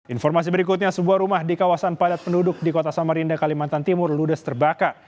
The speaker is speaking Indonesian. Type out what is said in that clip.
informasi berikutnya sebuah rumah di kawasan padat penduduk di kota samarinda kalimantan timur ludes terbakar